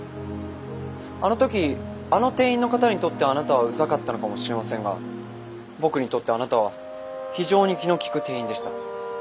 あの時あの店員の方にとってあなたはうざかったのかもしれませんが僕にとってあなたは非常に気の利く店員でした。